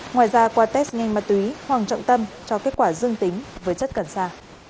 ngoài ra qua test nhanh ma túy hoàng trọng tâm cho kết quả dương tính với chất cần xa